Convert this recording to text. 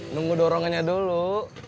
nunggu dorongannya dulu